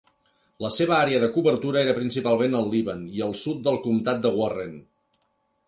La seva àrea de cobertura era principalment el Líban i el sud del comtat de Warren.